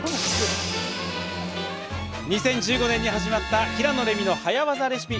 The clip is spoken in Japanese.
２０１５年に始まった「平野レミの早わざレシピ」。